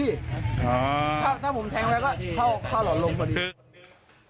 ถ้าถ้าผมแทงไปก็เข้าเข้าหล่อลงพอดี